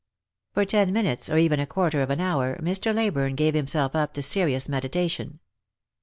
For ten minutes, or even a quarter of an hour, Mr. Leybume gave himself up to serious meditation.